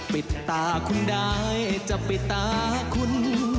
ปิดตาคุณได้จะปิดตาคุณ